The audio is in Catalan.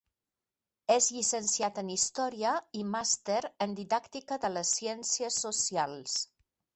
És llicenciat en Història i Màster en Didàctica de les Ciències Socials.